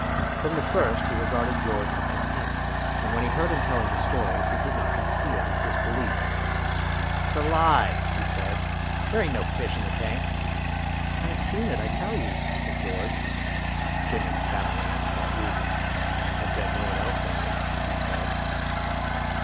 From the first he regarded George with con tempt, and when he heard him telling his stories he did not conceal his disbelief. " It's a lie," he said ;" there ain't no fish in the tank." " I have seen it, I tell you," said George. Jimmy spat on the asphalt rudely. " I bet no one else has," he said.